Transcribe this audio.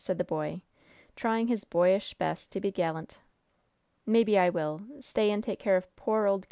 said the boy, trying his boyish best to be gallant. "Maybe I will stay and take care of poor, old Gov.